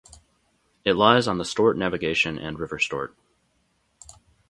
It lies on the Stort Navigation and River Stort.